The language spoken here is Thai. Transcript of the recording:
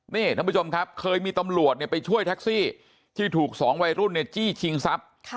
นี่ท่านผู้ชมครับเคยมีตำรวจไปช่วยแท็กซี่ที่ถูก๒วัยรุ่นจี้ชิงทรัพย์